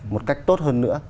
một cách tốt hơn nữa